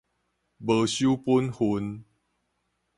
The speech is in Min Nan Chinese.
無守本份